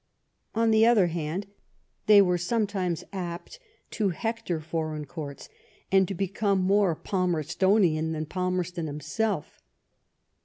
On the other hand, they were sometimes apt to hector foreign courts, and to become more Palmerstonian than Palmerston himself.